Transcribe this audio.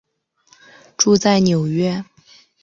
住在纽约。